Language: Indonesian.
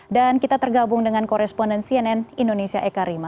dan kita tergabung dengan koresponden cnn indonesia eka rima